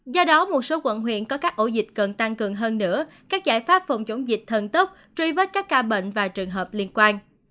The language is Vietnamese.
do đó một số quận huyện có các ổ dịch cần tăng cường hơn nữa các giải pháp phòng chống dịch thần tốc truy vết các ca bệnh và trường hợp liên quan